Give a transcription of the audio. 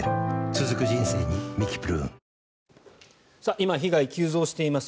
今、被害が急増しています